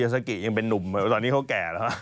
ตอนนี้เขาแก่หรอ